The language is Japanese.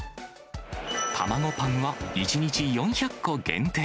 たまごパンは１日４００個限定。